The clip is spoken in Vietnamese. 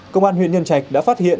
công an huyện nhân trạch đã phát hiện